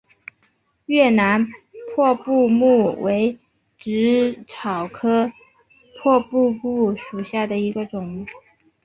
越南破布木为紫草科破布木属下的一个种。